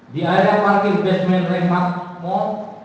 di area parking basement remak mall